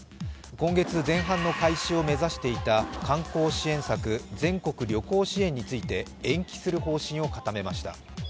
今月前半の開始を目指していた観光支援策、全国旅行支援について延期する方針を固めました。